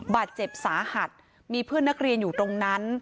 บาดเจ็บสาหัสมีเพื่อนนักเรียนอยู่ตรงนั้น